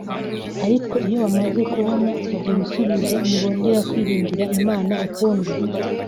ariko iyo bamaze kubona ibyo bisubizo ntibongera kwiringira Imana ukundi